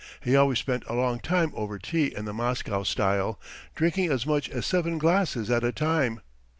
He always spent a long time over tea in the Moscow style, drinking as much as seven glasses at a time.